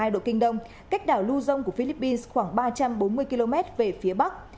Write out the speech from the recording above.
một trăm hai mươi một hai độ kinh đông cách đảo luzon của philippines khoảng ba trăm bốn mươi km về phía bắc